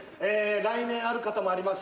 来年ある方もあります